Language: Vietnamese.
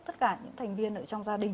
tất cả những thành viên trong gia đình